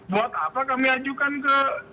buat apa kami ajukan ke